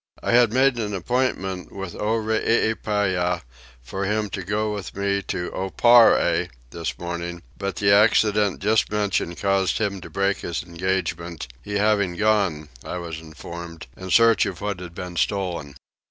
I had made an appointment with Oreepyah for him to go with me to Oparre this morning; but the accident just mentioned caused him to break his engagement, he having gone, I was informed, in search of what had been stolen.